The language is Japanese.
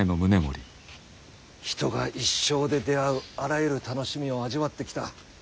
人が一生で出会うあらゆる楽しみを味わってきた。